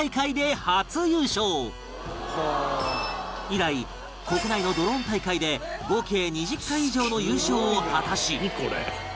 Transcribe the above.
以来国内のドローン大会で合計２０回以上の優勝を果たし